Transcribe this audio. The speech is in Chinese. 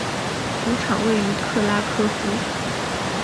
主场位于克拉科夫。